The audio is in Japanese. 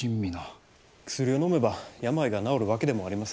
薬をのめば病が治るわけでもありませんしね。